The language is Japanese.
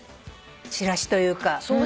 チラシというか。